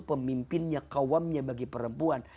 pemimpinnya kawamnya bagi perempuan